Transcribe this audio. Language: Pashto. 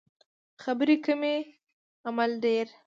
خبرې کمې عمل ډیر